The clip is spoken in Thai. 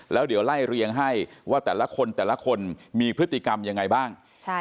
แล้วเดี๋ยวไล่เรียงให้ว่าแต่ละคนแต่ละคนมีพฤติกรรมยังไงบ้าง